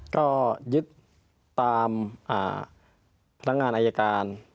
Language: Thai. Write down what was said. ก็ยึดปังวัดตามพยพงานอายการ